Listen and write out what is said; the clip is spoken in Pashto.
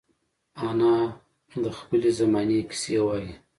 انا د خپلې زمانې کیسې وايي